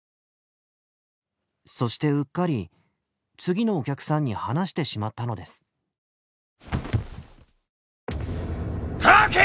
そしてうっかり次のお客さんに話してしまったのですたわけ！